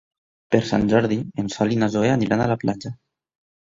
Per Sant Jordi en Sol i na Zoè aniran a la platja.